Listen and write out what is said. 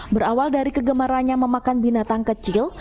berawal dari kegemarannya memakan binatang kecil